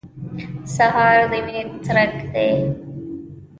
سهار د مینې څرک دی.